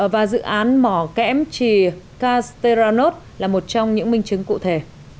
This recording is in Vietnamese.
và dự án mỏ kẽm chỉ castellanos là một trong những minh chứng cụ thể